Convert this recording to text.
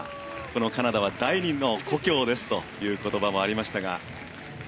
このカナダは第２の故郷ですという言葉もありました。